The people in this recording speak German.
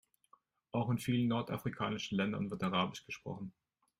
Auch in vielen nordafrikanischen Ländern wird arabisch gesprochen.